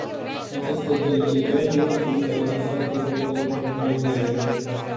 Aceste felicitări nu sunt adresate doar din curtoazie.